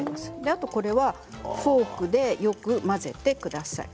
あとはフォークでよく混ぜてください。